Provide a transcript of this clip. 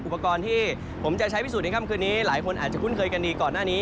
อุปกรณ์ที่ผมจะใช้พิสูจนในค่ำคืนนี้หลายคนอาจจะคุ้นเคยกันดีก่อนหน้านี้